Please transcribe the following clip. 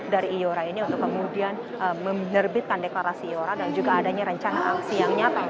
dari iora ini untuk kemudian menerbitkan deklarasi iora dan juga adanya rencana aksi yang nyata